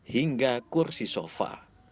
hingga kursi sofa